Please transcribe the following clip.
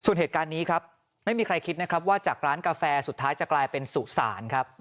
ส่วนเหตุการณ์นี้ครับไม่มีใครคิดนะครับว่าจากร้านกาแฟสุดท้ายจะกลายเป็นสุสานครับ